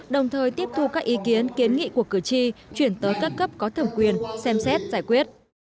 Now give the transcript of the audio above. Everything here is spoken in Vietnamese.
đồng thời tiếp thu các ý kiến kiến nghị của cử tri chuyển tới các cấp có thẩm quyền xem xét giải quyết